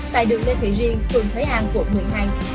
tại đường lê thị riêng phường thế an quận một mươi hai